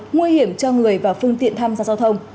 nguy hiểm cho người và phương tiện thăm giao thông